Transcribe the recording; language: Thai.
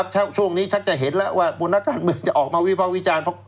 ช่วงนี้ชักจะเห็นแล้วว่าบนนักการเมืองจะออกมาวิภาควิจารณ์